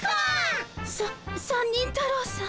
さ三人太郎さん。